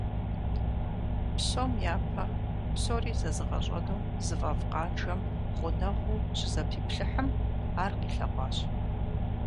Псом япэ псори зэзыгъэщӀэну зыфӀэфӀ Къанжэм гъунэгъуу щызэпиплъыхьым, ар къилъэгъуащ.